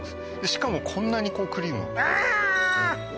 しかもこんなにクリームをあ！